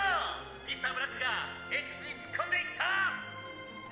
Ｍｒ．ブラックがＸに突っ込んでいったぁ！」